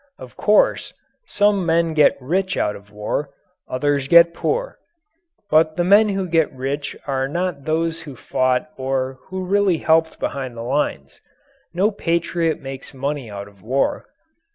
Of course, some men get rich out of war; others get poor. But the men who get rich are not those who fought or who really helped behind the lines. No patriot makes money out of war.